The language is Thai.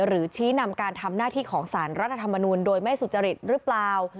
ชี้นำการทำหน้าที่ของสารรัฐธรรมนูลโดยไม่สุจริตหรือเปล่า